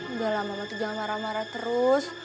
udah lah mama tuh jangan marah marah terus